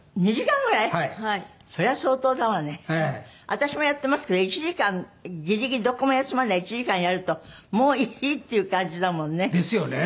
私もやってますけど１時間ギリギリどこも休まないで１時間やるともういいっていう感じだもんね。ですよね。